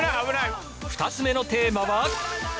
２つ目のテーマは。